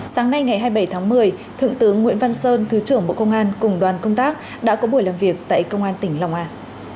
sáng nay ngày hai mươi bảy tháng một mươi thượng tướng nguyễn văn sơn thứ trưởng bộ công an cùng đoàn công tác đã có buổi làm việc tại công an tỉnh lòng an